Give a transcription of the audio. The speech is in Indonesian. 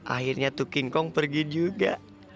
akhirnya tuh king kong pergi juga